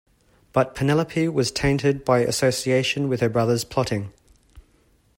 But Penelope was tainted by association with her brother's plotting.